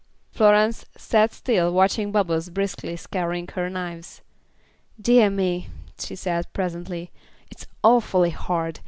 Florence sat still watching Bubbles briskly scouring her knives. "Dear me," she said, presently, "it's awfully hard.